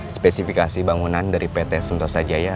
spesifikasi bangunan dari pt sentosa jaya